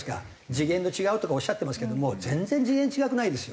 次元の違うとかおっしゃってますけども全然次元違くないですよ。